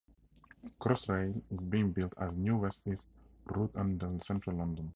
Crossrail is being built as a new west-east route under central London.